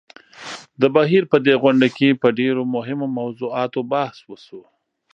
د بهېر په دې غونډه کې په ډېرو مهمو موضوعاتو بحث وشو.